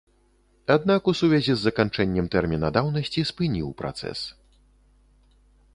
Аднак у сувязі з заканчэннем тэрміна даўнасці спыніў працэс.